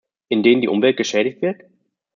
In denen die Umwelt geschädigt wird?